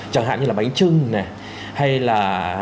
chẳng hạn như là bánh trưng này hay là